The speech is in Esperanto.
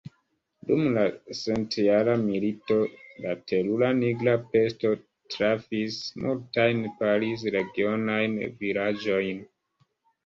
Dum la centjara milito, la terura nigra pesto trafis multajn Pariz-regionajn vilaĝojn.